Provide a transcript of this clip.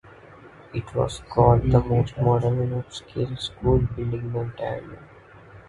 It was called the most modern and upscale school building in Ontario.